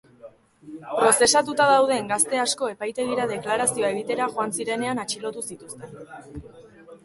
Prozesatuta dauden gazte asko epaitegira deklarazioa egitera joan zirenean atxilotu zituzten.